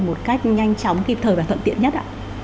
một cách nhanh chóng kịp thời và thuận tiện nhất ạ